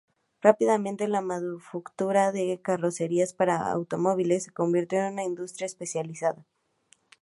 Rápidamente, la manufactura de carrocerías para automóviles se convirtió en una industria especializada.